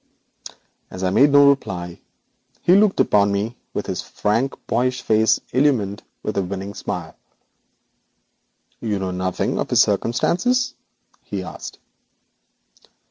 As I made no reply he looked up at me with his frank, boyish face illumined by a winning smile. 'You know nothing of his circumstances?' he asked.